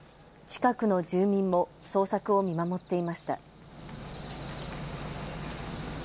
近くの住民も捜索を見守っていました。